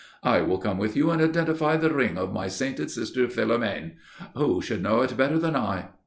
"I will come with you and identify the ring of my sainted sister Philomène. Who should know it better than I?"